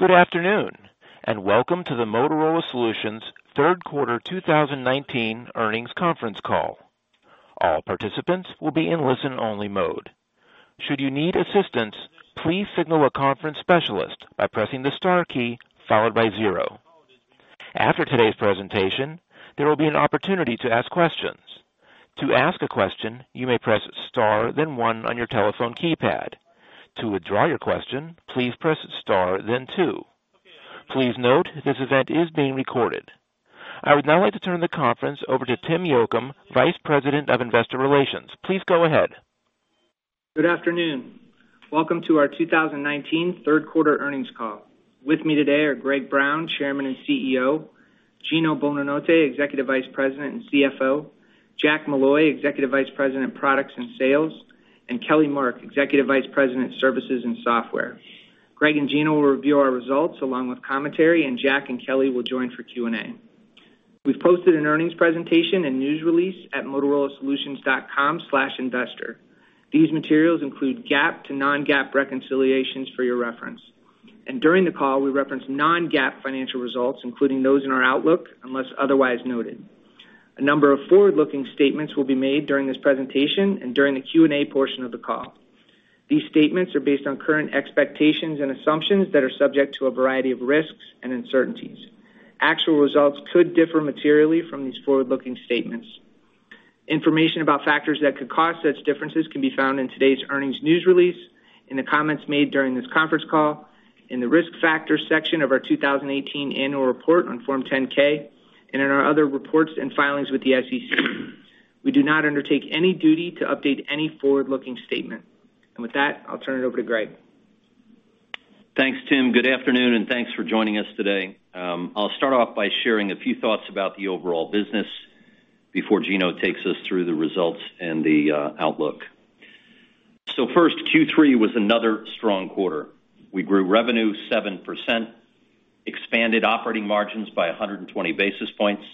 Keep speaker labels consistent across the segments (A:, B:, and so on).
A: Good afternoon, and welcome to the Motorola Solutions third quarter 2019 earnings conference call. All participants will be in listen-only mode. Should you need assistance, please signal a conference specialist by pressing the star key followed by zero. After today's presentation, there will be an opportunity to ask questions. To ask a question, you may press star, then one on your telephone keypad. To withdraw your question, please press star, then two. Please note, this event is being recorded. I would now like to turn the conference over to Tim Yocum, Vice President of Investor Relations. Please go ahead.
B: Good afternoon. Welcome to our 2019 third quarter earnings call. With me today are Greg Brown, Chairman and CEO, Gino Bonanotte, Executive Vice President and CFO, Jack Molloy, Executive Vice President, Products and Sales, and Kelly Mark, Executive Vice President, Services and Software. Greg and Gino will review our results along with commentary, and Jack and Kelly will join for Q&A. We've posted an earnings presentation and news release at motorolasolutions.com/investor. These materials include GAAP to non-GAAP reconciliations for your reference. During the call, we reference non-GAAP financial results, including those in our outlook, unless otherwise noted. A number of forward-looking statements will be made during this presentation and during the Q&A portion of the call. These statements are based on current expectations and assumptions that are subject to a variety of risks and uncertainties. Actual results could differ materially from these forward-looking statements. Information about factors that could cause such differences can be found in today's earnings news release, in the comments made during this conference call, in the Risk Factors section of our 2018 annual report on Form 10-K, and in our other reports and filings with the SEC. We do not undertake any duty to update any forward-looking statement. With that, I'll turn it over to Greg.
C: Thanks, Tim. Good afternoon, and thanks for joining us today. I'll start off by sharing a few thoughts about the overall business before Gino takes us through the results and the outlook. So first, Q3 was another strong quarter. We grew revenue 7%, expanded operating margins by 120 basis points,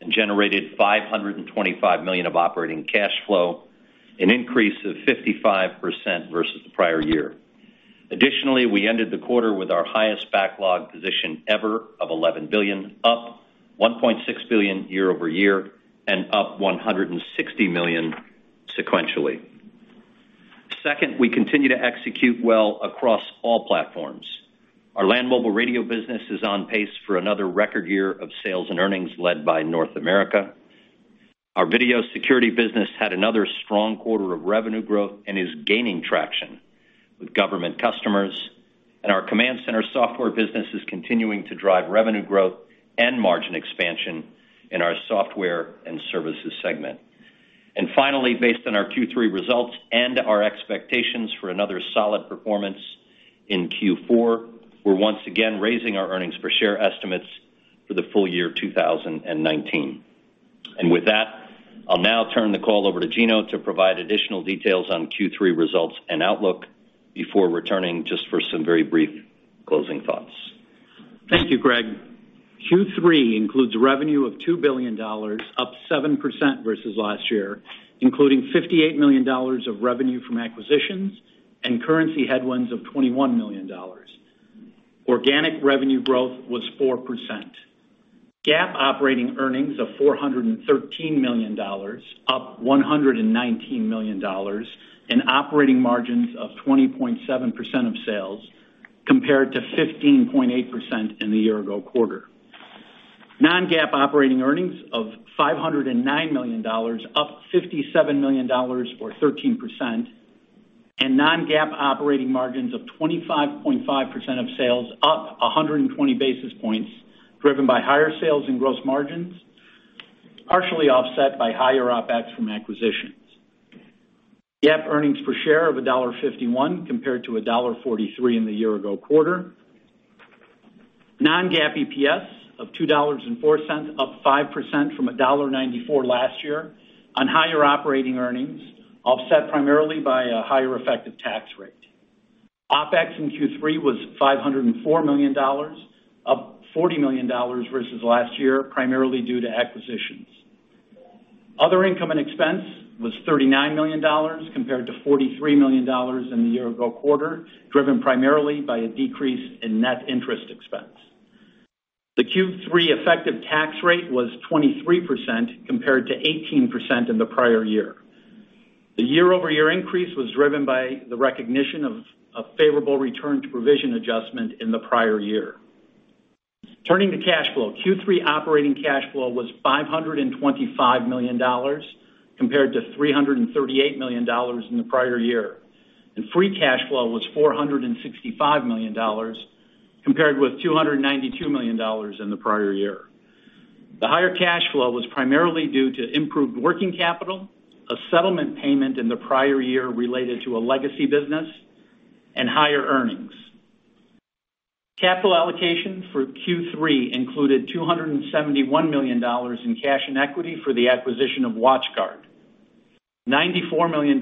C: and generated $525 million of operating cash flow, an increase of 55% versus the prior year. Additionally, we ended the quarter with our highest backlog position ever of $11 billion, up $1.6 billion year-over-year, and up $160 million sequentially. Second, we continue to execute well across all platforms. Our land mobile radio business is on pace for another record year of sales and earnings led by North America. Our video security business had another strong quarter of revenue growth and is gaining traction with government customers, and our CommandCentral software business is continuing to drive revenue growth and margin expansion in our software and services segment. And finally, based on our Q3 results and our expectations for another solid performance in Q4, we're once again raising our earnings per share estimates for the full year 2019. And with that, I'll now turn the call over to Gino to provide additional details on Q3 results and outlook before returning just for some very brief closing thoughts.
B: Thank you, Greg. Q3 includes revenue of $2 billion, up 7% versus last year, including $58 million of revenue from acquisitions and currency headwinds of $21 million. Organic revenue growth was 4%. GAAP operating earnings of $413 million, up $119 million, and operating margins of 20.7% of sales, compared to 15.8% in the year-ago quarter. Non-GAAP operating earnings of $509 million, up $57 million or 13%, and non-GAAP operating margins of 25.5% of sales, up 120 basis points, driven by higher sales and gross margins, partially offset by higher OpEx from acquisitions. GAAP earnings per share of $1.51, compared to $1.43 in the year-ago quarter. Non-GAAP EPS of $2.04, up 5% from $1.94 last year on higher operating earnings, offset primarily by a higher effective tax rate. OpEx in Q3 was $504 million, up $40 million versus last year, primarily due to acquisitions. Other income and expense was $39 million, compared to $43 million in the year-ago quarter, driven primarily by a decrease in net interest expense. The Q3 effective tax rate was 23%, compared to 18% in the prior year. The year-over-year increase was driven by the recognition of a favorable return to provision adjustment in the prior year. Turning to cash flow, Q3 operating cash flow was $525 million, compared to $338 million in the prior year, and free cash flow was $465 million, compared with $292 million in the prior year. The higher cash flow was primarily due to improved working capital, a settlement payment in the prior year related to a legacy business, and higher earnings. Capital allocation for Q3 included $271 million in cash and equity for the acquisition of WatchGuard, $94 million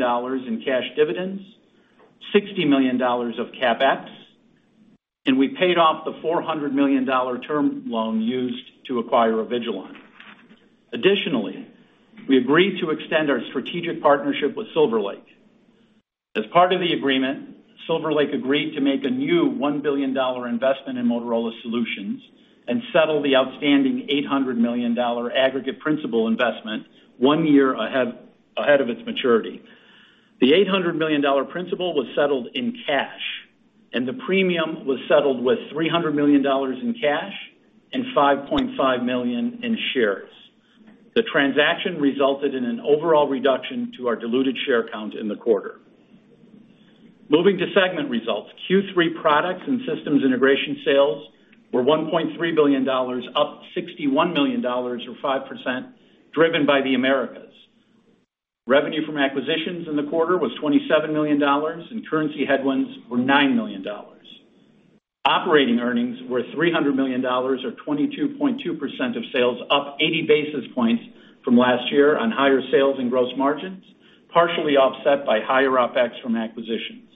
B: in cash dividends, $60 million of CapEx, and we paid off the $400 million term loan used to acquire Avigilon. Additionally, we agreed to extend our strategic partnership with Silver Lake. As part of the agreement, Silver Lake agreed to make a new $1 billion investment in Motorola Solutions and settle the outstanding $800 million aggregate principal investment one year ahead, ahead of its maturity. The $800 million principal was settled in cash, and the premium was settled with $300 million in cash and 5.5 million in shares. The transaction resulted in an overall reduction to our diluted share count in the quarter. Moving to segment results, Q3 products and systems integration sales were $1.3 billion, up $61 million or 5%, driven by the Americas. Revenue from acquisitions in the quarter was $27 million, and currency headwinds were $9 million. Operating earnings were $300 million, or 22.2% of sales, up 80 basis points from last year on higher sales and gross margins, partially offset by higher OpEx from acquisitions.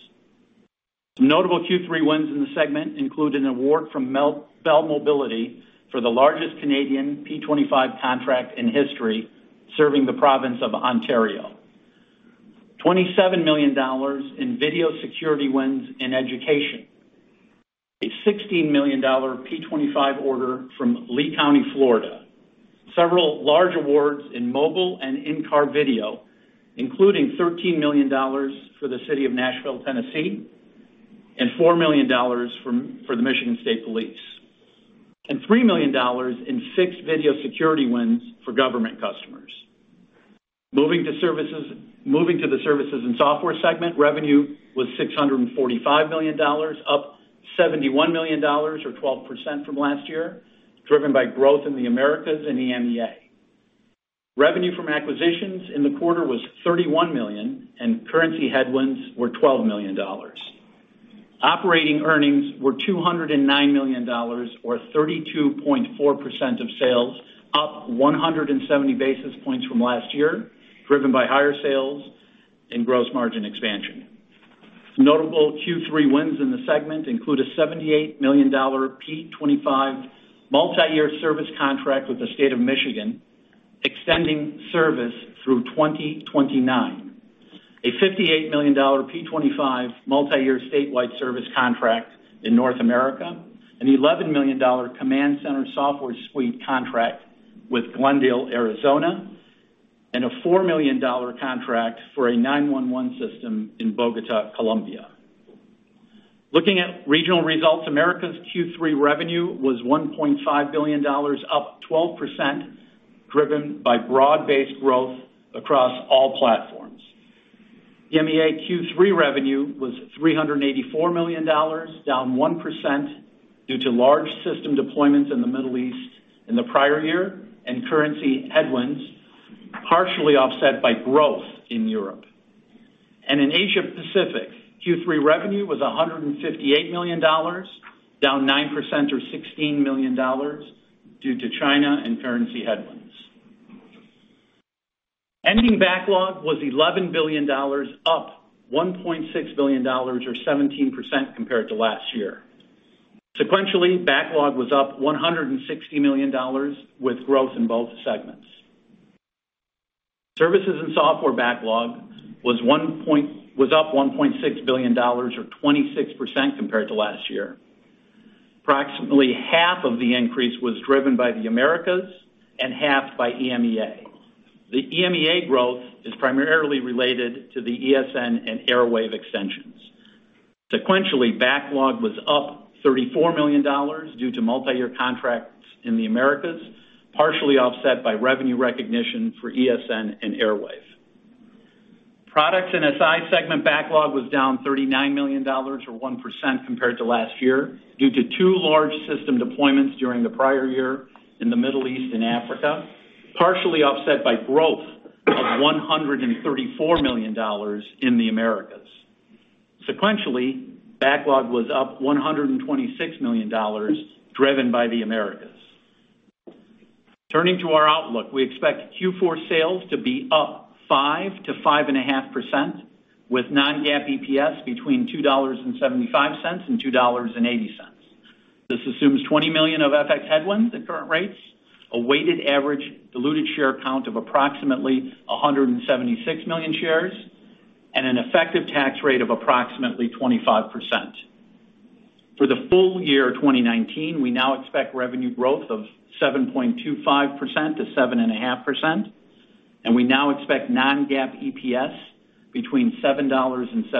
B: Some notable Q3 wins in the segment include an award from Bell Mobility for the largest Canadian P25 contract in history, serving the province of Ontario. $27 million in video security wins in education. A $16 million P25 order from Lee County, Florida. Several large awards in mobile and in-car video, including $13 million for the city of Nashville, Tennessee, and $4 million for the Michigan State Police, and $3 million in six video security wins for government customers. Moving to the services and software segment, revenue was $645 million, up $71 million or 12% from last year, driven by growth in the Americas and EMEA. Revenue from acquisitions in the quarter was $31 million, and currency headwinds were $12 million. Operating earnings were $209 million, or 32.4% of sales, up 170 basis points from last year, driven by higher sales and gross margin expansion. Some notable Q3 wins in the segment include a $78 million P25 multiyear service contract with the state of Michigan, extending service through 2029, a $58 million P25 multiyear statewide service contract in North America, an $11 million Command Center software suite contract with Glendale, Arizona, and a $4 million contract for a 9-1-1 system in Bogotá, Colombia. Looking at regional results, Americas' Q3 revenue was $1.5 billion, up 12%, driven by broad-based growth across all platforms. EMEA Q3 revenue was $384 million, down 1%, due to large system deployments in the Middle East in the prior year and currency headwinds, partially offset by growth in Europe. In Asia Pacific, Q3 revenue was $158 million, down 9% or $16 million due to China and currency headwinds. Ending backlog was $11 billion, up $1.6 billion or 17% compared to last year. Sequentially, backlog was up $160 million, with growth in both segments. Services and software backlog was up $1.6 billion, or 26% compared to last year. Approximately half of the increase was driven by the Americas and half by EMEA. The EMEA growth is primarily related to the ESN and AirWave extensions. Sequentially, backlog was up $34 million due to multiyear contracts in the Americas, partially offset by revenue recognition for ESN and Airwave. Products and SI segment backlog was down $39 million or 1% compared to last year due to two large system deployments during the prior year in the Middle East and Africa, partially offset by growth of $134 million in the Americas. Sequentially, backlog was up $126 million, driven by the Americas. Turning to our outlook, we expect Q4 sales to be up 5%-5.5%, with non-GAAP EPS between $2.75 and $2.80. This assumes $20 million of FX headwinds at current rates, a weighted average diluted share count of approximately 176 million shares, and an effective tax rate of approximately 25%. For the full year 2019, we now expect revenue growth of 7.25%-7.5%, and we now expect non-GAAP EPS between $7.77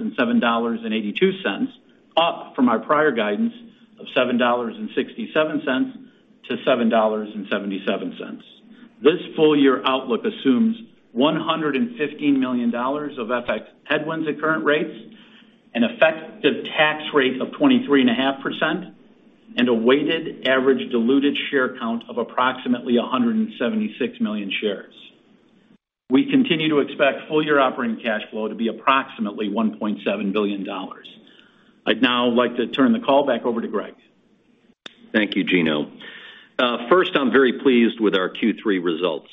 B: and $7.82, up from our prior guidance of $7.67-$7.77. This full year outlook assumes $115 million of FX headwinds at current rates, an effective tax rate of 23.5%, and a weighted average diluted share count of approximately 176 million shares. We continue to expect full-year operating cash flow to be approximately $1.7 billion. I'd now like to turn the call back over to Greg.
C: Thank you, Gino. First, I'm very pleased with our Q3 results.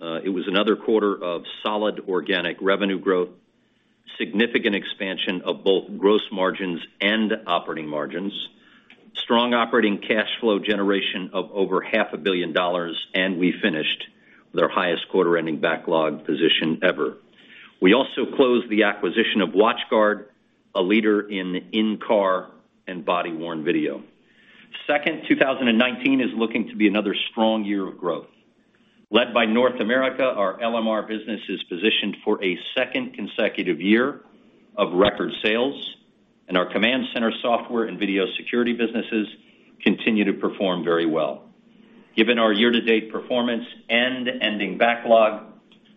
C: It was another quarter of solid organic revenue growth, significant expansion of both gross margins and operating margins, strong operating cash flow generation of over $500 million, and we finished with our highest quarter-ending backlog position ever. We also closed the acquisition of WatchGuard, a leader in in-car and body-worn video. Second, 2019 is looking to be another strong year of growth. Led by North America, our LMR business is positioned for a second consecutive year of record sales, and our Command Center software and video security businesses continue to perform very well. Given our year-to-date performance and ending backlog,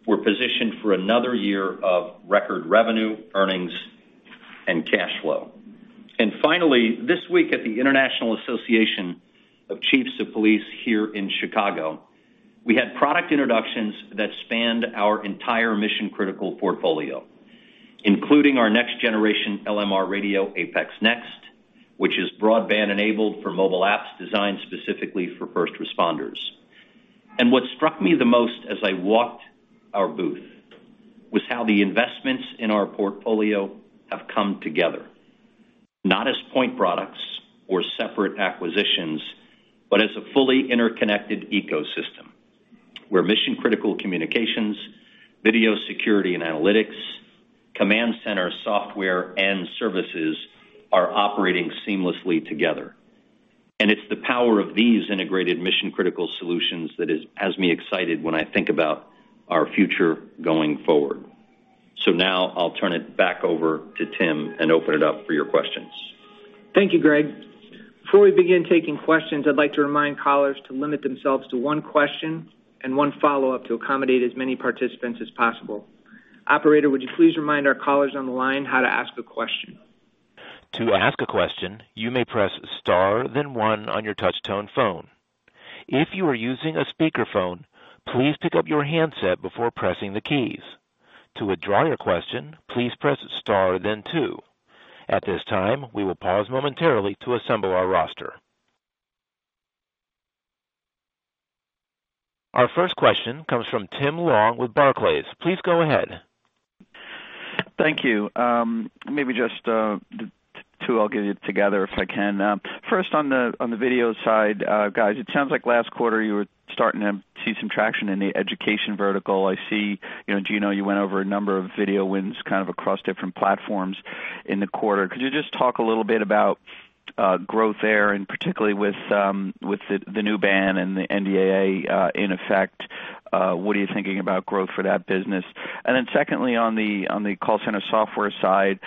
C: we're positioned for another year of record revenue, earnings, and cash flow. And finally, this week at the International Association of Chiefs of Police here in Chicago, we had product introductions that spanned our entire mission-critical portfolio, including our next generation LMR radio, APX NEXT, which is broadband-enabled for mobile apps designed specifically for first responders. And what struck me the most as I walked our booth was how the investments in our portfolio have come together, not as point products or separate acquisitions, but as a fully interconnected ecosystem, where mission-critical communications, video security and analytics, command center software and services are operating seamlessly together. And it's the power of these integrated mission-critical solutions that has me excited when I think about our future going forward. So now I'll turn it back over to Tim and open it up for your questions.
D: Thank you, Greg. Before we begin taking questions, I'd like to remind callers to limit themselves to one question and one follow-up to accommodate as many participants as possible. Operator, would you please remind our callers on the line how to ask a question?
A: To ask a question, you may press star, then one on your touchtone phone. If you are using a speakerphone, please pick up your handset before pressing the keys. To withdraw your question, please press star then two. At this time, we will pause momentarily to assemble our roster. Our first question comes from Tim Long with Barclays. Please go ahead.
E: Thank you. Maybe just two, I'll get it together if I can. First, on the video side, guys, it sounds like last quarter you were starting to see some traction in the education vertical. I see, you know, Gino, you went over a number of video wins, kind of across different platforms in the quarter. Could you just talk a little bit about growth there, and particularly with the new ban and the NDAA in effect, what are you thinking about growth for that business? And then secondly, on the call center software side,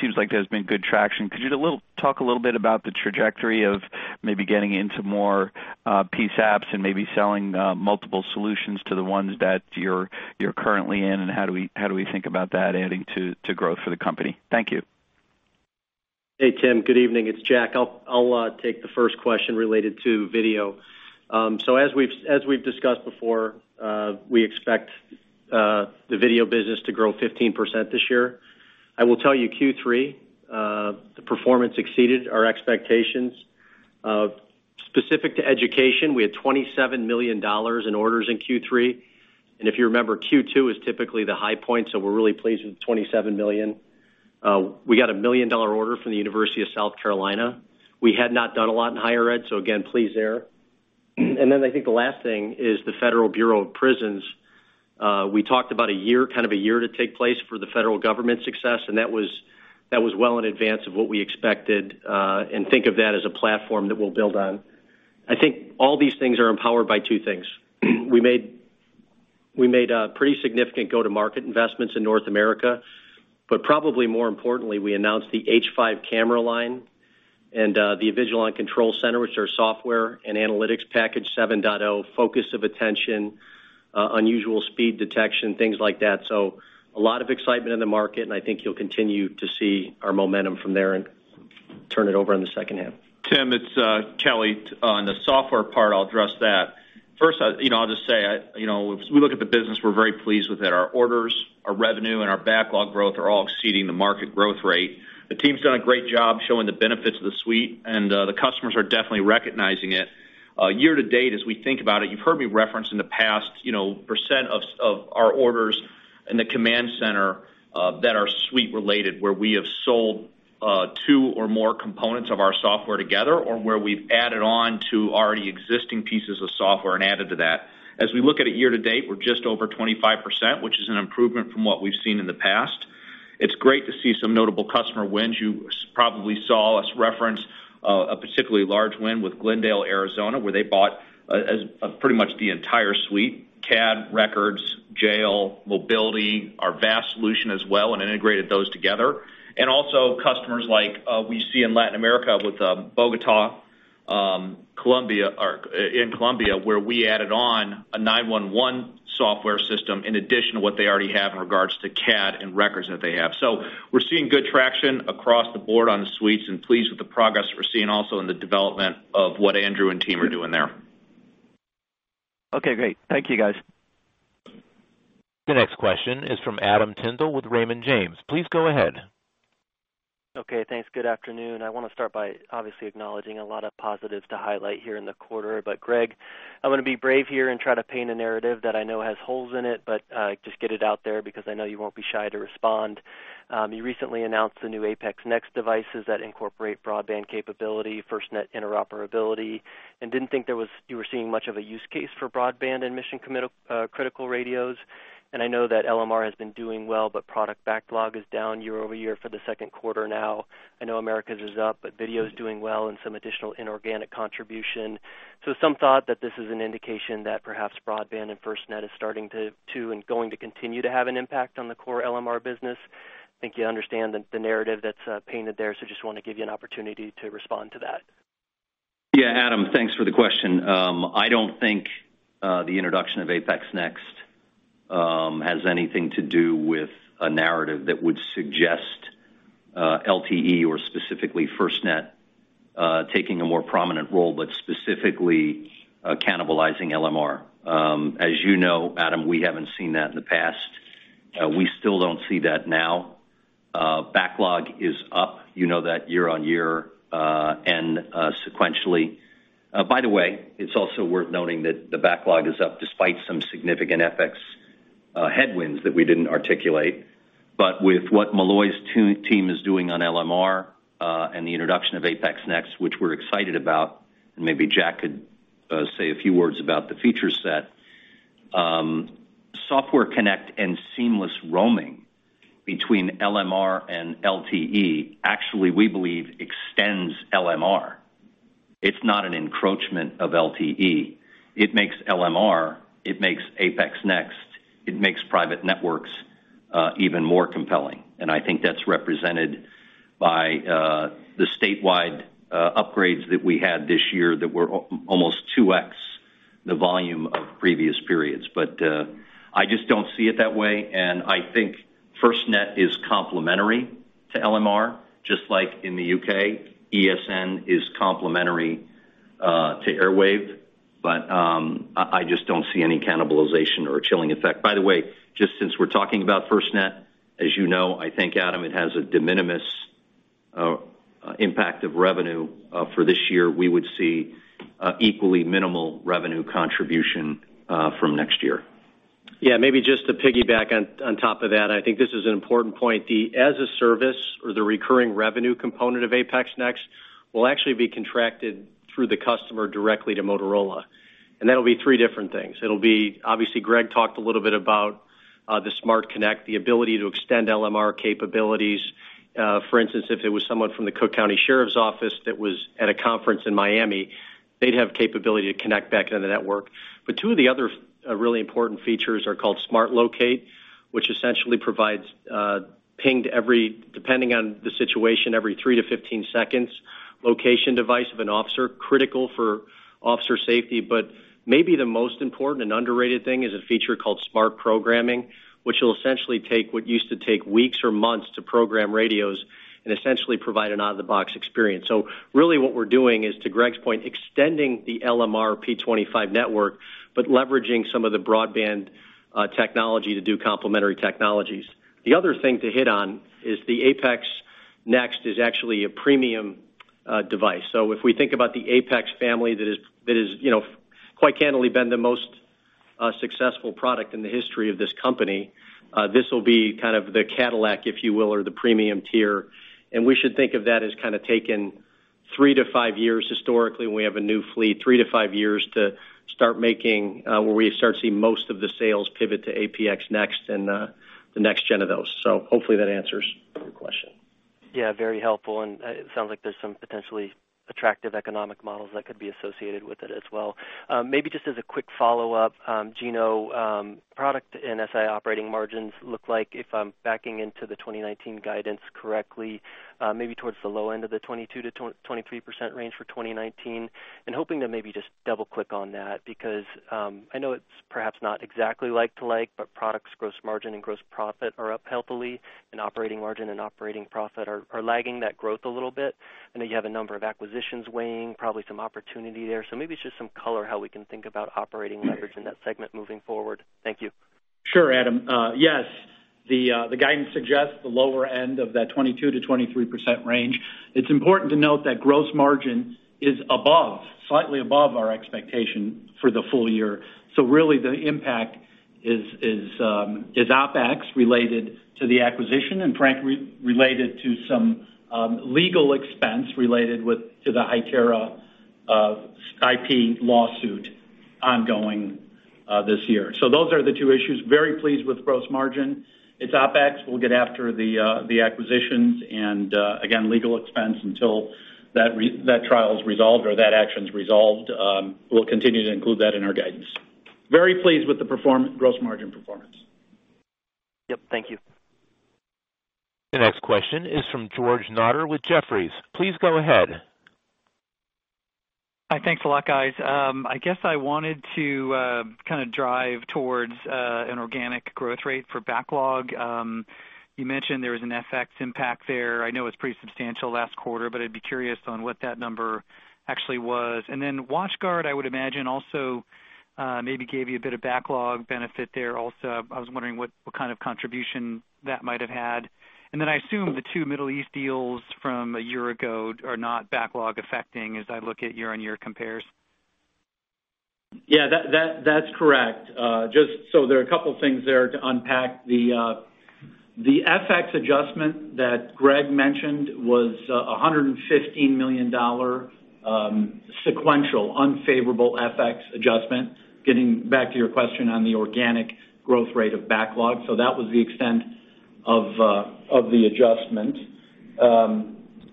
E: seems like there's been good traction. Could you talk a little bit about the trajectory of maybe getting into more PSAPs and maybe selling multiple solutions to the ones that you're currently in, and how do we think about that adding to growth for the company? Thank you.
C: Hey, Tim. Good evening. It's Jack. I'll take the first question related to video. So as we've discussed before, we expect the video business to grow 15% this year. I will tell you, Q3, the performance exceeded our expectations. Specific to education, we had $27 million in orders in Q3. And if you remember, Q2 is typically the high point, so we're really pleased with the $27 million. We got a $1 million order from the University of South Carolina. We had not done a lot in higher ed, so again, pleased there. And then I think the last thing is the Federal Bureau of Prisons. We talked about a year, kind of a year to take place for the federal government success, and that was, that was well in advance of what we expected, and think of that as a platform that we'll build on. I think all these things are empowered by two things: we made, we made a pretty significant go-to-market investments in North America, but probably more importantly, we announced the H5 camera line and, the Avigilon Control Center, which are software and analytics package 7.0, Focus of Attention, unusual speed detection, things like that. So a lot of excitement in the market, and I think you'll continue to see our momentum from there and turn it over on the second half.
F: Tim, it's Kelly. On the software part, I'll address that. First, you know, I'll just say, You know, as we look at the business, we're very pleased with it. Our orders, our revenue, and our backlog growth are all exceeding the market growth rate. The team's done a great job showing the benefits of the suite, and the customers are definitely recognizing it. Year to date, as we think about it, you've heard me reference in the past, you know, percent of our orders in the Command Center, that are suite related, where we have sold two or more components of our software together, or where we've added on to already existing pieces of software and added to that. As we look at it year to date, we're just over 25%, which is an improvement from what we've seen in the past. It's great to see some notable customer wins. You probably saw us reference a particularly large win with Glendale, Arizona, where they bought pretty much the entire suite, CAD, Records, Jail, Mobility, our VESTA solution as well, and integrated those together. And also customers like we see in Latin America with Bogotá, Colombia, in Colombia, where we added on a 9-1-1 software system in addition to what they already have in regards to CAD and Records that they have. So we're seeing good traction across the board on the suites and pleased with the progress we're seeing also in the development of what Andrew and team are doing there.
E: Okay, great. Thank you, guys.
A: The next question is from Adam Tindle with Raymond James. Please go ahead.
G: Okay, thanks. Good afternoon. I want to start by obviously acknowledging a lot of positives to highlight here in the quarter. But, Greg, I'm going to be brave here and try to paint a narrative that I know has holes in it, but just get it out there because I know you won't be shy to respond. You recently announced the new APX NEXT devices that incorporate broadband capability, FirstNet interoperability, and didn't think there was, you were seeing much of a use case for broadband and mission critical radios. And I know that LMR has been doing well, but product backlog is down year-over-year for the second quarter now. I know Americas is up, but Video is doing well and some additional inorganic contribution. So some thought that this is an indication that perhaps Broadband and FirstNet is starting to and going to continue to have an impact on the core LMR business. I think you understand the narrative that's painted there, so just want to give you an opportunity to respond to that.
C: Yeah, Adam, thanks for the question. I don't think the introduction of APX NEXT has anything to do with a narrative that would suggest LTE, or specifically FirstNet, taking a more prominent role, but specifically cannibalizing LMR. As you know, Adam, we haven't seen that in the past. We still don't see that now. Backlog is up, you know that, year-over-year and sequentially. By the way, it's also worth noting that the backlog is up despite some significant FX headwinds that we didn't articulate. But with what Molloy's team is doing on LMR and the introduction of APX NEXT, which we're excited about, and maybe Jack could say a few words about the feature set. SmartConnect and seamless roaming between LMR and LTE, actually, we believe, extends LMR. It's not an encroachment of LTE. It makes LMR, it makes APX NEXT, it makes private networks, even more compelling, and I think that's represented by, the statewide, upgrades that we had this year that were almost 2x the volume of previous periods. But, I just don't see it that way, and I think FirstNet is complementary to LMR, just like in the UK, ESN is complementary, to AirWave, but, I just don't see any cannibalization or a chilling effect. By the way, just since we're talking about FirstNet, as you know, I think, Adam, it has a de minimis, impact of revenue, for this year. We would see, equally minimal revenue contribution, from next year.
H: Yeah, maybe just to piggyback on top of that, I think this is an important point. The as-a-service or the recurring revenue component of APX NEXT will actually be contracted through the customer directly to Motorola, and that'll be 3 different things. It'll be obviously, Greg talked a little bit about, the SmartConnect, the ability to extend LMR capabilities. For instance, if it was someone from the Cook County Sheriff's Office that was at a conference in Miami, they'd have capability to connect back into the network. But two of the other, really important features are called SmartLocate, which essentially provides, pinged every, depending on the situation, every 3-15 seconds, location device of an officer, critical for officer safety. But maybe the most important and underrated thing is a feature called SmartProgramming, which will essentially take what used to take weeks or months to program radios and essentially provide an out-of-the-box experience. So really, what we're doing is, to Greg's point, extending the LMR P25 network, but leveraging some of the broadband technology to do complementary technologies. The other thing to hit on is the APX Next is actually a premium device. So if we think about the APX family, that is, that is, you know, quite candidly, been the most successful product in the history of this company, this will be kind of the Cadillac, if you will, or the premium tier. And we should think of that as kind of taken 3-5 years. Historically, when we have a new fleet, 3-5 years to start making, where we start seeing most of the sales pivot to APX NEXT and, the next gen of those. So hopefully that answers your question.
G: Yeah, very helpful, and, it sounds like there's some potentially attractive economic models that could be associated with it as well. Maybe just as a quick follow-up, Gino, product and SI operating margins look like if I'm backing into the 2019 guidance correctly, maybe towards the low end of the 22%-23% range for 2019. And hoping to maybe just double-click on that, because, I know it's perhaps not exactly like to like, but products, gross margin and gross profit are up healthily, and operating margin and operating profit are lagging that growth a little bit. I know you have a number of acquisitions weighing, probably some opportunity there. So maybe just some color, how we can think about operating leverage in that segment moving forward. Thank you.
H: Sure, Adam. Yes, the guidance suggests the lower end of that 22%-23% range. It's important to note that gross margin is above, slightly above our expectation for the full year. So really, the impact is OpEx related to the acquisition and frankly related to some legal expense related to the Hytera IP lawsuit ongoing this year. So those are the two issues. Very pleased with gross margin. It's OpEx. We'll get after the acquisitions and again, legal expense until that trial is resolved or that action's resolved, we'll continue to include that in our guidance. Very pleased with the gross margin performance.
G: Yep, thank you.
A: The next question is from George Notter with Jefferies. Please go ahead.
I: Hi, thanks a lot, guys. I guess I wanted to kind of drive towards an organic growth rate for backlog. You mentioned there was an FX impact there. I know it's pretty substantial last quarter, but I'd be curious on what that number actually was. And then WatchGuard, I would imagine, also maybe gave you a bit of backlog benefit there also. I was wondering what, what kind of contribution that might have had. And then I assume the two Middle East deals from a year ago are not backlog affecting as I look at year-on-year compares?...
H: Yeah, that, that, that's correct. Just so there are a couple things there to unpack. The FX adjustment that Greg mentioned was a $115 million sequential unfavorable FX adjustment, getting back to your question on the organic growth rate of backlog. So that was the extent of the adjustment.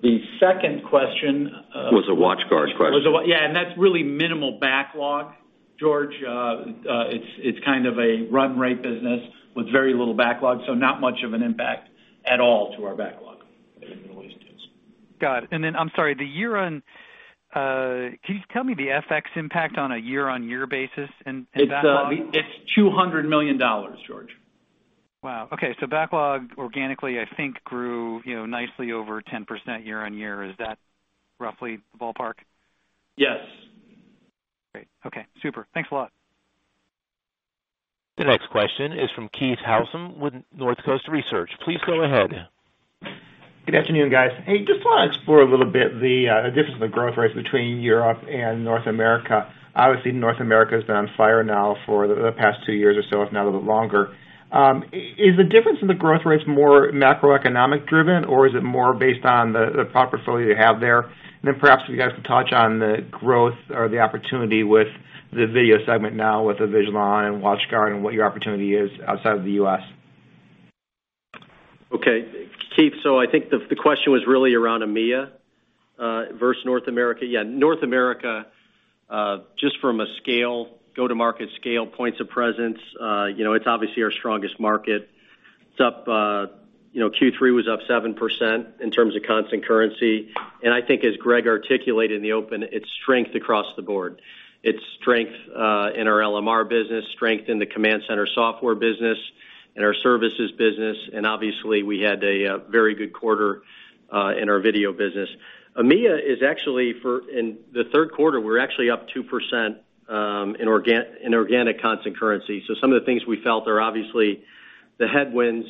H: The second question,
J: Was a WatchGuard's question.
H: Yeah, and that's really minimal backlog, George. It's kind of a run-rate business with very little backlog, so not much of an impact at all to our backlog.
I: Got it. And then, I'm sorry, can you tell me the FX impact on a year-on-year basis in backlog?
H: It's $200 million, George.
I: Wow! Okay. So backlog, organically, I think, grew, you know, nicely over 10% year-on-year. Is that roughly the ballpark?
H: Yes.
I: Great. Okay, super. Thanks a lot.
A: The next question is from Keith Housum with North Coast Research. Please go ahead.
K: Good afternoon, guys. Hey, just wanna explore a little bit the difference in the growth rates between Europe and North America. Obviously, North America has been on fire now for the past two years or so, if not a little bit longer. Is the difference in the growth rates more macroeconomic driven, or is it more based on the product portfolio you have there? And then perhaps if you guys can touch on the growth or the opportunity with the video segment now, with the Avigilon and WatchGuard, and what your opportunity is outside of the U.S.
H: Okay. Keith, so I think the question was really around EMEA versus North America. Yeah, North America just from a scale, go-to-market scale, points of presence, you know, it's obviously our strongest market. It's up, you know, Q3 was up 7% in terms of constant currency. And I think as Greg articulated in the open, it's strength across the board. It's strength in our LMR business, strength in the Command Center software business and our services business, and obviously, we had a very good quarter in our video business. EMEA is actually for... In the third quarter, we're actually up 2% in organic constant currency. So some of the things we felt are obviously the headwinds.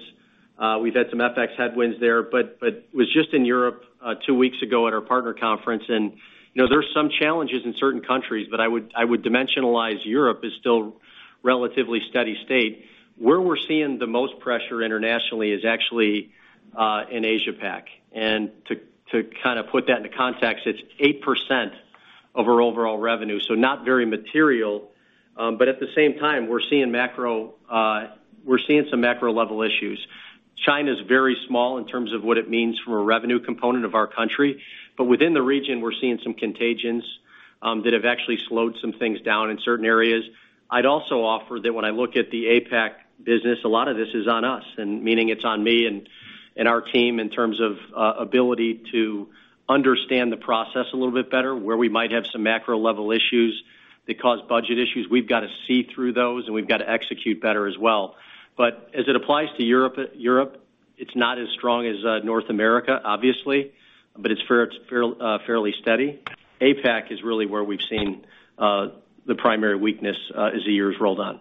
H: We've had some FX headwinds there, but was just in Europe two weeks ago at our partner conference, and, you know, there are some challenges in certain countries, but I would, I would dimensionalize Europe as still relatively steady state. Where we're seeing the most pressure internationally is actually in Asia Pac. And to kind of put that into context, it's 8% of our overall revenue, so not very material, but at the same time, we're seeing macro, we're seeing some macro level issues. China's very small in terms of what it means from a revenue component of our country, but within the region, we're seeing some contagions that have actually slowed some things down in certain areas. I'd also offer that when I look at the APAC business, a lot of this is on us, and meaning it's on me and, and our team in terms of, ability to understand the process a little bit better, where we might have some macro level issues that cause budget issues. We've got to see through those, and we've got to execute better as well. But as it applies to Europe, Europe, it's not as strong as, North America, obviously, but it's fair, fairly steady. APAC is really where we've seen, the primary weakness, as the years rolled on.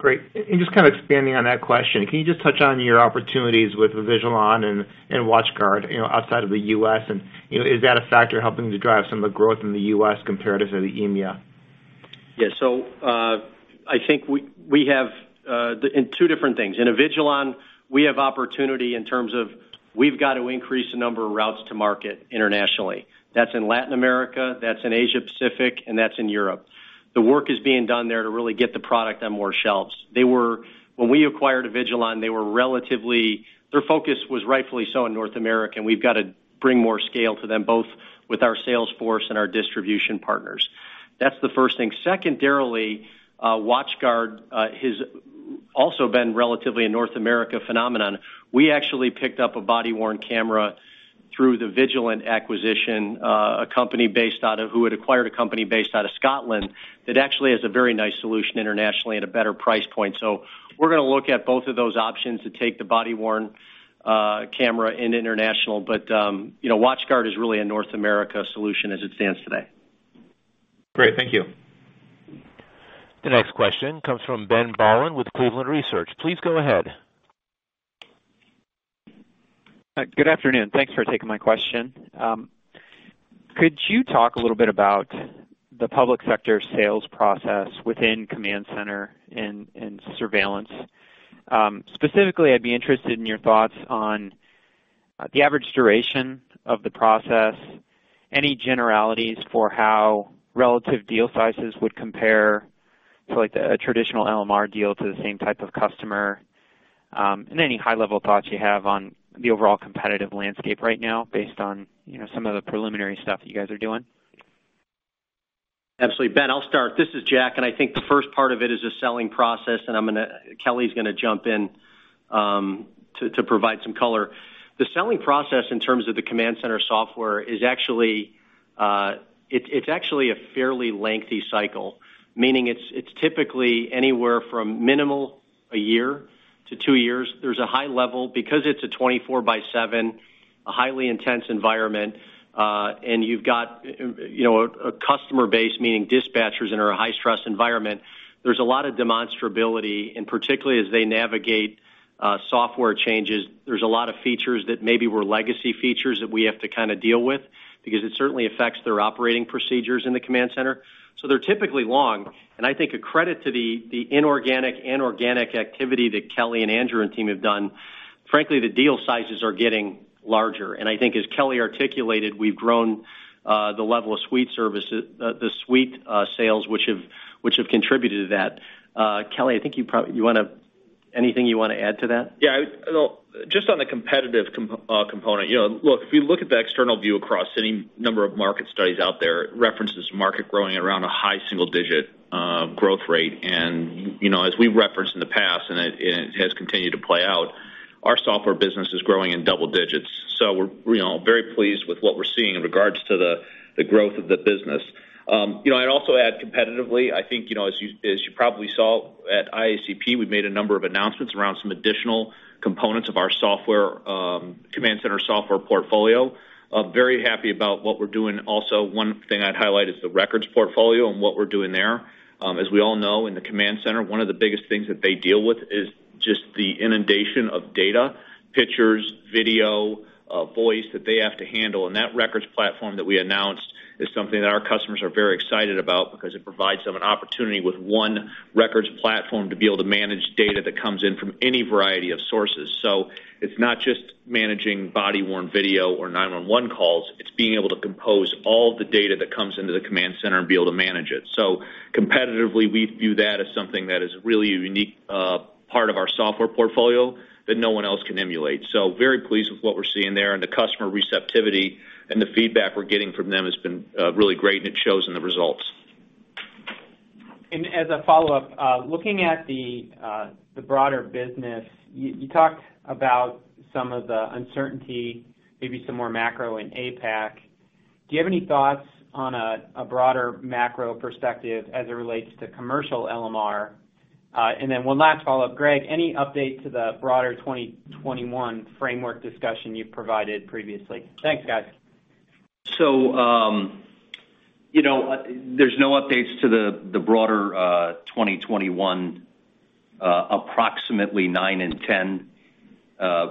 K: Great. And just kind of expanding on that question, can you just touch on your opportunities with Avigilon and, and WatchGuard, you know, outside of the U.S., and, you know, is that a factor helping to drive some of the growth in the U.S. comparative to the EMEA?
H: Yeah. So, I think we have in two different things. In Avigilon, we have opportunity in terms of we've got to increase the number of routes to market internationally. That's in Latin America, that's in Asia Pacific, and that's in Europe. The work is being done there to really get the product on more shelves. They were. When we acquired Avigilon, they were relatively. Their focus was rightfully so in North America, and we've got to bring more scale to them, both with our sales force and our distribution partners. That's the first thing. Secondarily, WatchGuard has also been relatively a North America phenomenon. We actually picked up a body-worn camera through the Vigilant acquisition, a company based out of, who had acquired a company based out of Scotland, that actually has a very nice solution internationally at a better price point. So we're gonna look at both of those options to take the body-worn camera in international. But, you know, WatchGuard is really a North America solution as it stands today.
K: Great. Thank you.
A: The next question comes from Ben Bollin with Cleveland Research. Please go ahead.
J: Good afternoon. Thanks for taking my question. Could you talk a little bit about the public sector sales process within Command Center and surveillance? Specifically, I'd be interested in your thoughts on the average duration of the process, any generalities for how relative deal sizes would compare to, like, the traditional LMR deal to the same type of customer, and any high-level thoughts you have on the overall competitive landscape right now based on, you know, some of the preliminary stuff you guys are doing.
H: Absolutely, Ben, I'll start. This is Jack, and I think the first part of it is the selling process, and I'm gonna Kelly's gonna jump in, to provide some color. The selling process in terms of the Command Center software is actually, it's actually a fairly lengthy cycle, meaning it's typically anywhere from minimally 1 year to 2 years. There's a high level, because it's a 24/7, a highly intense environment, and you've got, you know, a customer base, meaning dispatchers in our high-stress environment, there's a lot of demonstrability, and particularly as they navigate, software changes, there's a lot of features that maybe were legacy features that we have to kinda deal with because it certainly affects their operating procedures in the Command Center. So they're typically long, and I think a credit to the inorganic and organic activity that Kelly and Andrew and team have done,...
C: frankly, the deal sizes are getting larger, and I think as Kelly articulated, we've grown the level of suite services, the suite sales, which have contributed to that. Kelly, I think you probably want to. Anything you want to add to that?
F: Yeah, well, just on the competitive component, you know, look, if you look at the external view across any number of market studies out there, it references market growing at around a high single digit growth rate. And, you know, as we've referenced in the past, and it has continued to play out, our software business is growing in double digits. So we're, you know, very pleased with what we're seeing in regards to the growth of the business. You know, I'd also add competitively, I think, you know, as you probably saw at IACP, we've made a number of announcements around some additional components of our software, Command Center software portfolio. Very happy about what we're doing. Also, one thing I'd highlight is the records portfolio and what we're doing there. As we all know, in the command center, one of the biggest things that they deal with is just the inundation of data, pictures, video, voice, that they have to handle. That records platform that we announced is something that our customers are very excited about because it provides them an opportunity with one records platform to be able to manage data that comes in from any variety of sources. It's not just managing body-worn video or 911 calls, it's being able to compose all the data that comes into the command center and be able to manage it. Competitively, we view that as something that is really a unique part of our software portfolio that no one else can emulate. So very pleased with what we're seeing there, and the customer receptivity and the feedback we're getting from them has been, really great, and it shows in the results.
L: As a follow-up, looking at the, the broader business, you, you talked about some of the uncertainty, maybe some more macro in APAC. Do you have any thoughts on a, a broader macro perspective as it relates to commercial LMR? And then one last follow-up, Greg, any update to the broader 2021 framework discussion you provided previously? Thanks, guys.
C: So, you know, there's no updates to the broader 2021 approximately 9%-10%.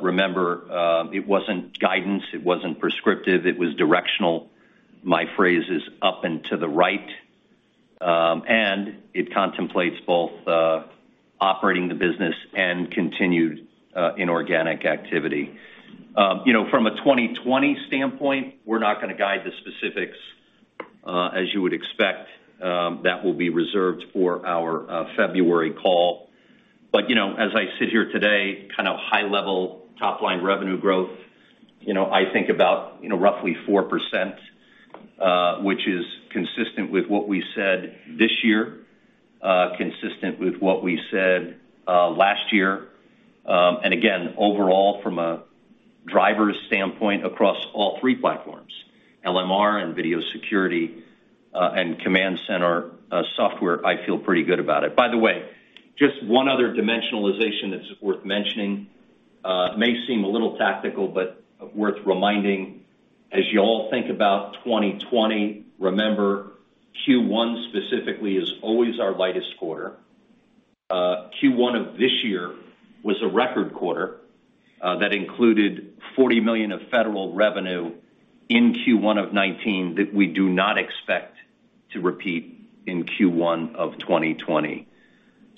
C: Remember, it wasn't guidance, it wasn't prescriptive, it was directional. My phrase is up and to the right, and it contemplates both operating the business and continued inorganic activity. You know, from a 2020 standpoint, we're not going to guide the specifics, as you would expect. That will be reserved for our February call. But, you know, as I sit here today, kind of high level, top line revenue growth, you know, I think about, you know, roughly 4%, which is consistent with what we said this year, consistent with what we said last year. And again, overall, from a driver's standpoint, across all three platforms, LMR and video security, and command center software, I feel pretty good about it. By the way, just one other dimensionalization that's worth mentioning, may seem a little tactical, but worth reminding. As you all think about 2020, remember, Q1 specifically is always our lightest quarter. Q1 of this year was a record quarter, that included $40 million of federal revenue in Q1 of 2019 that we do not expect to repeat in Q1 of 2020.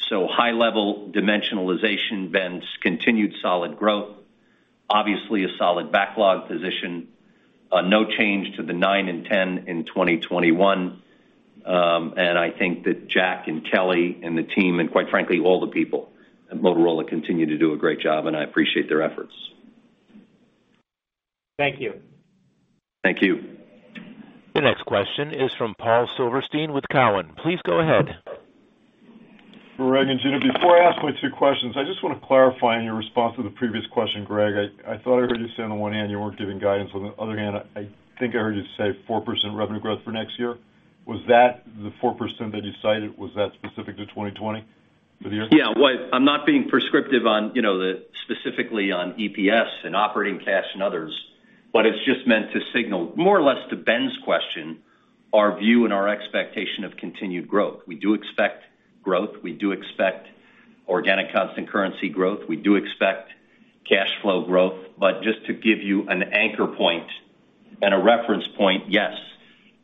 C: So high-level dimensionalization, Ben, continued solid growth, obviously a solid backlog position, no change to the 9 and 10 in 2021. And I think that Jack and Kelly and the team, and quite frankly, all the people at Motorola, continue to do a great job, and I appreciate their efforts.
L: Thank you.
C: Thank you.
A: The next question is from Paul Silverstein with Cowen. Please go ahead.
M: Greg and Gino, before I ask my two questions, I just want to clarify on your response to the previous question, Greg. I thought I heard you say, on the one hand, you weren't giving guidance. On the other hand, I think I heard you say 4% revenue growth for next year. Was that the 4% that you cited, was that specific to 2020 for the year?
C: Yeah. I'm not being prescriptive on, you know, the specifically on EPS and operating cash and others, but it's just meant to signal more or less to Ben's question, our view and our expectation of continued growth. We do expect growth, we do expect organic constant currency growth, we do expect cash flow growth. But just to give you an anchor point and a reference point, yes,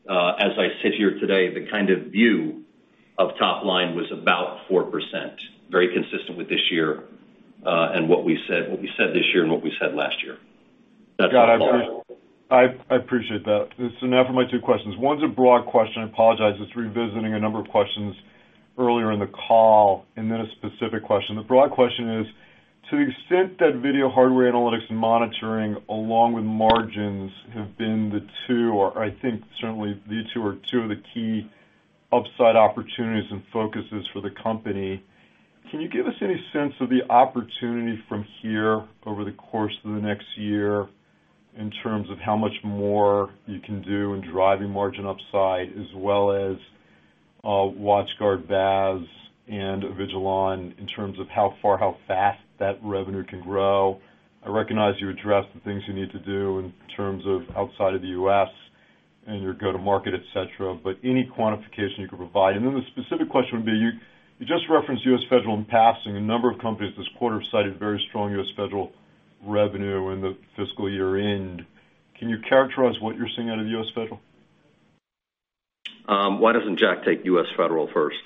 C: as I sit here today, the kind of view of top line was about 4%, very consistent with this year, and what we said, what we said this year and what we said last year.
M: Got it. I appreciate that. So now for my two questions. One's a broad question. I apologize. It's revisiting a number of questions earlier in the call, and then a specific question. The broad question is, to the extent that video hardware analytics and monitoring, along with margins, have been the two, or I think certainly these two are two of the key upside opportunities and focuses for the company, can you give us any sense of the opportunity from here over the course of the next year in terms of how much more you can do in driving margin upside, as well as WatchGuard, VaaS, and Avigilon, in terms of how far, how fast that revenue can grow? I recognize you addressed the things you need to do in terms of outside of the U.S. and your go-to-market, et cetera, but any quantification you could provide? And then the specific question would be, you just referenced U.S. Federal in passing. A number of companies this quarter cited very strong U.S. Federal revenue in the fiscal year end. Can you characterize what you're seeing out of U.S. Federal?...
C: why doesn't Jack take U.S. Federal first?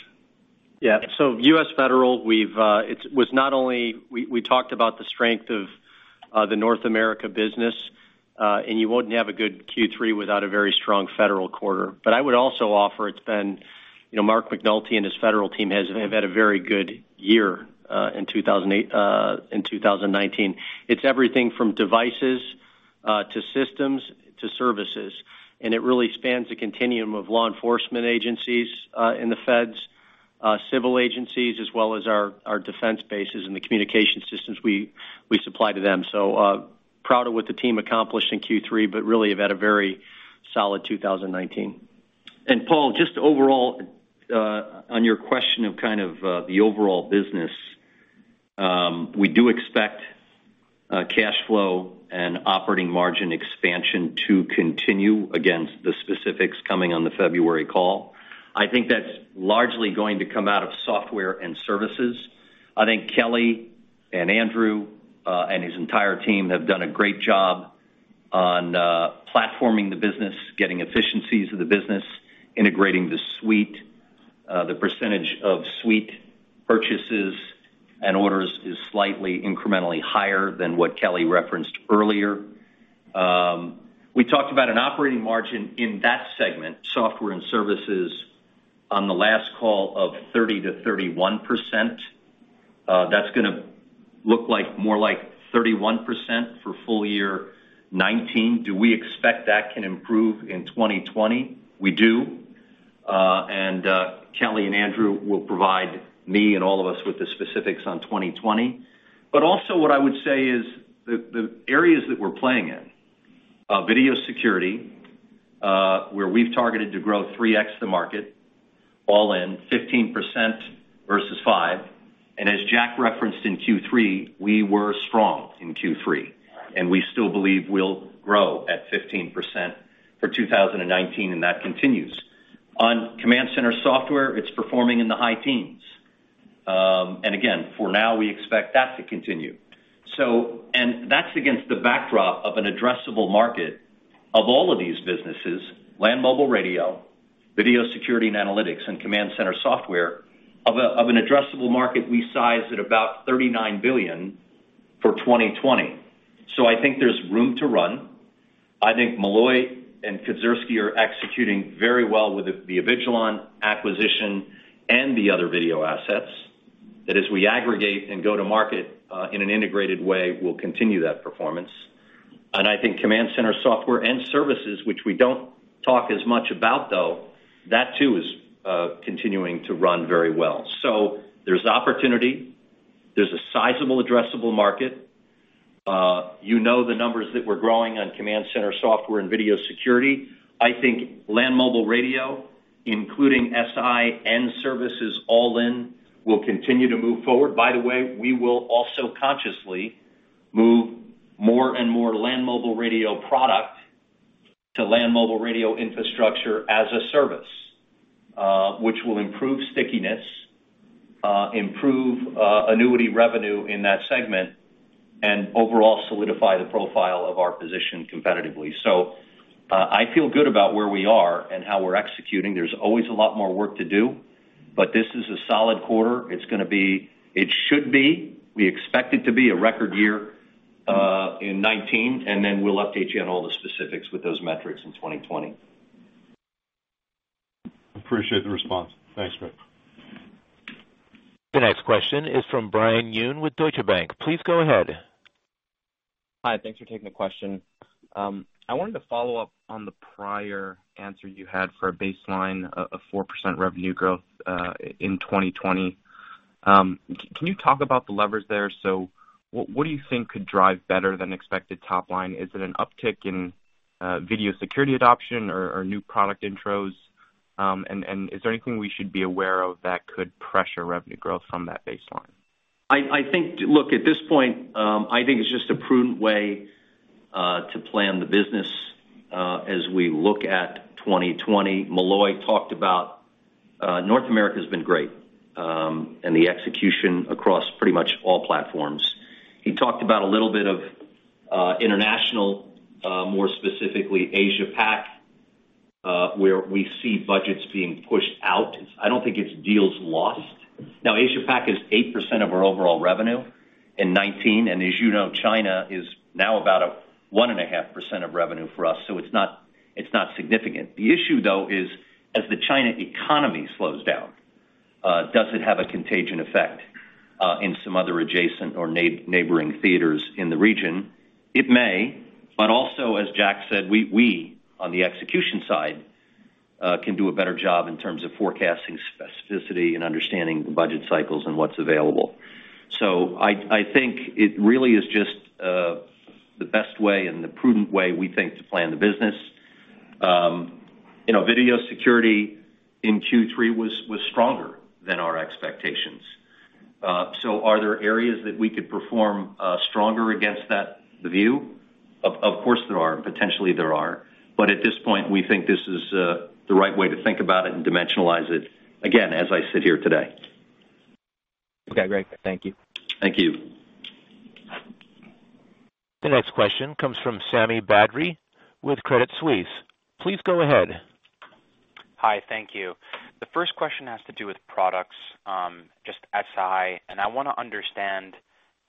C: Yeah. So U.S. Federal, we've, it was not only-- we, we talked about the strength of, the North America business, and you wouldn't have a good Q3 without a very strong federal quarter. But I would also offer it's been, you know, Mark McNulty and his federal team has, have had a very good year, in 2008, in 2019. It's everything from devices, to systems, to services, and it really spans a continuum of law enforcement agencies, in the feds, civil agencies, as well as our, our defense bases and the communication systems we, we supply to them. So, proud of what the team accomplished in Q3, but really have had a very solid 2019. And Paul, just overall, on your question of kind of, the overall business, we do expect, cash flow and operating margin expansion to continue against the specifics coming on the February call. I think that's largely going to come out of software and services. I think Kelly and Andrew, and his entire team have done a great job on, platforming the business, getting efficiencies of the business, integrating the suite, the percentage of suite purchases and orders is slightly incrementally higher than what Kelly referenced earlier. We talked about an operating margin in that segment, software and services, on the last call of 30%-31%. That's gonna look like more like 31% for full year 2019. Do we expect that can improve in 2020? We do. And Kelly and Andrew will provide me and all of us with the specifics on 2020. But also what I would say is the areas that we're playing in, video security, where we've targeted to grow 3x the market, all in 15% versus 5%. And as Jack referenced in Q3, we were strong in Q3, and we still believe we'll grow at 15% for 2019, and that continues. On Command Center software, it's performing in the high teens. And again, for now, we expect that to continue. So. And that's against the backdrop of an addressable market of all of these businesses, Land Mobile Radio, Video Security and Analytics, and Command Center software, of an addressable market we size at about $39 billion for 2020. So I think there's room to run. I think Molloy and Kedzierski are executing very well with the Avigilon acquisition and the other video assets, that as we aggregate and go to market in an integrated way, we'll continue that performance. I think Command Center Software and Services, which we don't talk as much about, though, that too is continuing to run very well. So there's opportunity. There's a sizable addressable market. You know the numbers that we're growing on Command Center Software and Video Security. I think Land Mobile Radio, including SI and services, all in, will continue to move forward. By the way, we will also consciously move more and more Land Mobile Radio product to Land Mobile Radio Infrastructure as a service, which will improve stickiness, improve annuity revenue in that segment, and overall, solidify the profile of our position competitively. So, I feel good about where we are and how we're executing. There's always a lot more work to do, but this is a solid quarter. It's gonna be, it should be, we expect it to be a record year, in 2019, and then we'll update you on all the specifics with those metrics in 2020. Appreciate the response. Thanks, Greg.
A: The next question is from Brian Yoon with Deutsche Bank. Please go ahead.
N: Hi, thanks for taking the question. I wanted to follow up on the prior answer you had for a baseline of 4% revenue growth in 2020. Can you talk about the levers there? So what do you think could drive better than expected top line? Is it an uptick in video security adoption or new product intros? And is there anything we should be aware of that could pressure revenue growth from that baseline?
C: I think—look, at this point, I think it's just a prudent way to plan the business as we look at 2020. Molloy talked about North America has been great, and the execution across pretty much all platforms. He talked about a little bit of international, more specifically Asia Pac, where we see budgets being pushed out. I don't think it's deals lost. Now, Asia Pac is 8% of our overall revenue in 2019, and as you know, China is now about 1.5% of revenue for us, so it's not, it's not significant. The issue, though, is as the China economy slows down, does it have a contagion effect in some other adjacent or neighboring theaters in the region? It may, but also, as Jack said, we on the execution side can do a better job in terms of forecasting specificity and understanding the budget cycles and what's available. So I think it really is just the best way and the prudent way, we think, to plan the business. You know, video security in Q3 was stronger than our expectations. So are there areas that we could perform stronger against that view? Of course, there are. Potentially, there are. But at this point, we think this is the right way to think about it and dimensionalize it, again, as I sit here today.
N: Okay, great. Thank you.
C: Thank you.
A: The next question comes from Sami Badri with Credit Suisse. Please go ahead.
O: Hi, thank you. The first question has to do with products, just SI, and I wanna understand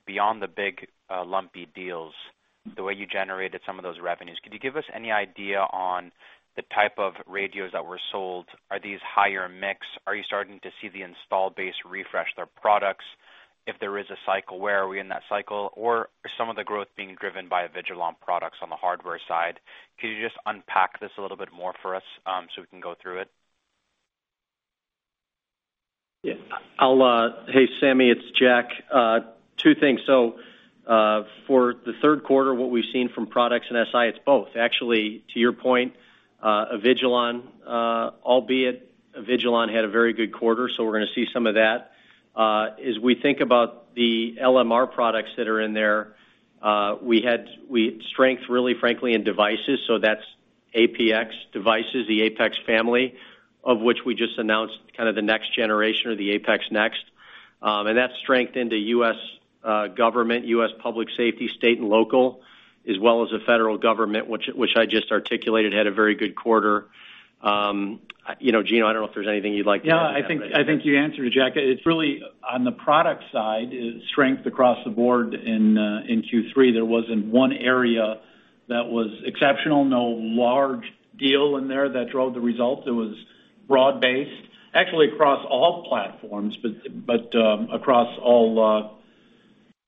O: beyond the big, lumpy deals, the way you generated some of those revenues. Could you give us any idea on the type of radios that were sold? Are these higher mix? Are you starting to see the installed base refresh their products? If there is a cycle, where are we in that cycle? Or is some of the growth being driven by Avigilon products on the hardware side? Can you just unpack this a little bit more for us, so we can go through it?
H: Yeah, I'll... Hey, Sammy, it's Jack. Two things. So, for the third quarter, what we've seen from products and SI, it's both. Actually, to your point, Avigilon, albeit Avigilon had a very good quarter, so we're gonna see some of that. As we think about the LMR products that are in there, we had strength, really, frankly, in devices, so that's APX devices, the APX family, of which we just announced kind of the next generation or the APX NEXT. And that's strengthened the U.S. government, U.S. public safety, state and local, as well as the federal government, which I just articulated, had a very good quarter. You know, Gino, I don't know if there's anything you'd like to add.
F: Yeah, I think, I think you answered it, Jack. It's really on the product side, is strength across the board in Q3. There wasn't one area that was exceptional, no large deal in there that drove the result. It was broad-based, actually across all platforms, but, but, across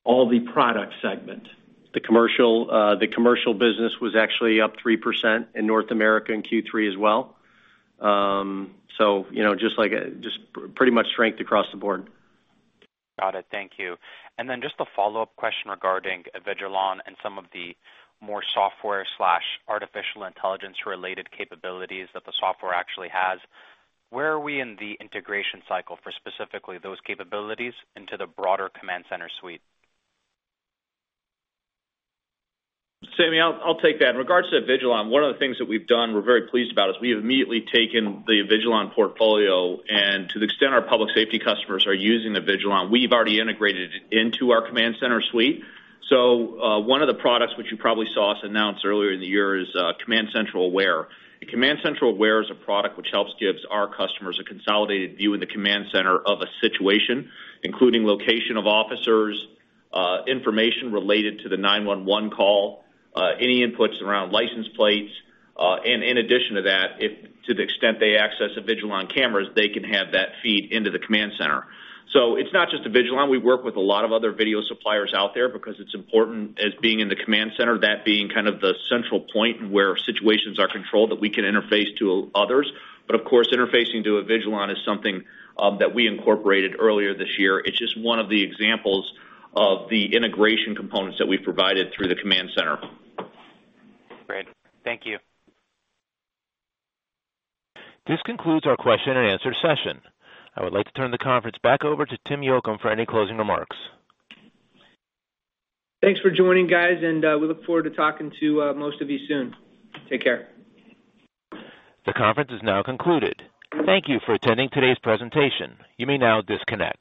F: all the product segment.
H: The commercial, the commercial business was actually up 3% in North America in Q3 as well. So, you know, just like, just pretty much strength across the board.
O: Got it. Thank you. And then just a follow-up question regarding Avigilon and some of the more software/artificial intelligence-related capabilities that the software actually has. Where are we in the integration cycle for specifically those capabilities into the broader Command Center suite?
F: Sami, I'll, I'll take that. In regards to Avigilon, one of the things that we've done, we're very pleased about, is we have immediately taken the Avigilon portfolio, and to the extent our public safety customers are using Avigilon, we've already integrated it into our Command Center suite. So, one of the products which you probably saw us announce earlier in the year is, CommandCentral Aware. The CommandCentral Aware is a product which helps gives our customers a consolidated view in the command center of a situation, including location of officers, information related to the 911 call, any inputs around license plates. And in addition to that, if to the extent they access Avigilon cameras, they can have that feed into the command center. So it's not just Avigilon. We work with a lot of other video suppliers out there because it's important as being in the command center, that being kind of the central point where situations are controlled, that we can interface to others. But of course, interfacing to Avigilon is something that we incorporated earlier this year. It's just one of the examples of the integration components that we provided through the command center.
O: Great. Thank you.
A: This concludes our question and answer session. I would like to turn the conference back over to Tim Yocum for any closing remarks.
H: Thanks for joining, guys, and we look forward to talking to most of you soon. Take care.
A: The conference is now concluded. Thank you for attending today's presentation. You may now disconnect.